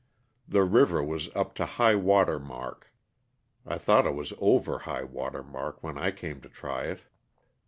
The river was up to high water mark (I thought it was over high water mark when I came to try it).